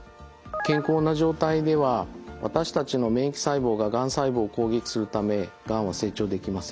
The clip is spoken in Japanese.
健康な状態では私たちの免疫細胞ががん細胞を攻撃するためがんは成長できません。